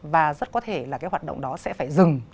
và rất có thể là cái hoạt động đó sẽ phải dừng